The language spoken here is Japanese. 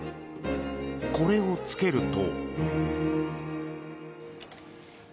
これをつけると。